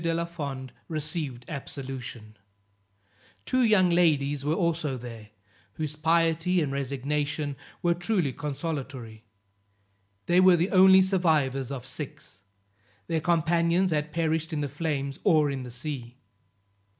de la Fond received absolution; two young ladies were also there, whose piety and resignation were truly consolatory; they were the only survivors of six, their companions had perished in the flames or in the sea.